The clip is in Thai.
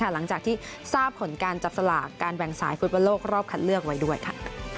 หลังจากที่ทราบผลการจับสลากการแบ่งสายฟุตบอลโลกรอบคัดเลือกไว้ด้วยค่ะ